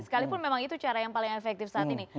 sekalipun memang itu cara yang paling efektif saat ini